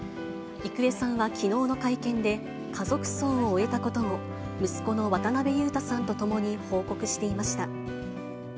郁恵さんはきのうの会見で、家族葬を終えたことを、息子の渡辺裕太さんと共に報告していました。